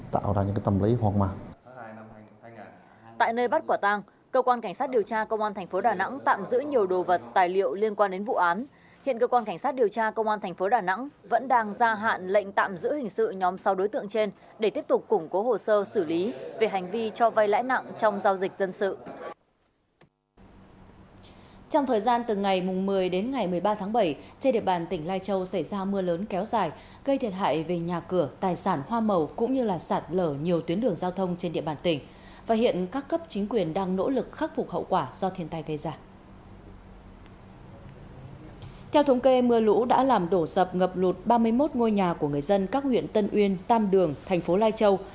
theo thống kê mưa lũ đã làm đổ dập ngập lụt ba mươi một ngôi nhà của người dân các huyện tân uyên tam đường thành phố lai châu